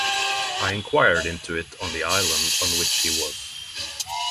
I inquired into it on the island on which he was.